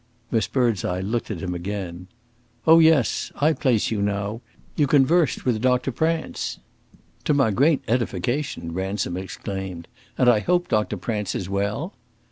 Miss Birdseye looked at him again. "Oh yes, I place you now; you conversed some with Doctor Prance." "To my great edification!" Ransom exclaimed. "And I hope Doctor Prance is well."